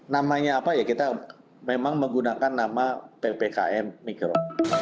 namanya apa ya kita memang menggunakan nama ppkm mikro